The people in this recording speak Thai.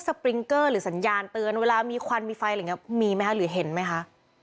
ปริงเกอร์หรือสัญญาณเตือนเวลามีควันมีไฟอะไรอย่างนี้มีไหมคะหรือเห็นไหมคะ